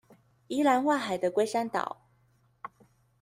宜蘭外海的龜山島